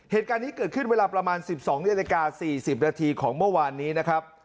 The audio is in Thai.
เหตุการณ์นี้เกิดขึ้นเวลาประมาณ๑๒นาฬิกา๔๐นาทีของเมื่อวานนี้นะครับ